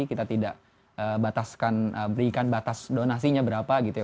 kita tidak berikan batas donasinya berapa gitu ya